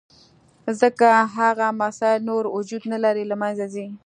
ځکه هغه مسایل نور وجود نه لري، له منځه ځي.